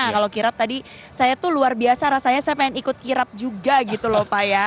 kalau kirap tadi saya tuh luar biasa rasanya saya pengen ikut kirap juga gitu loh pak ya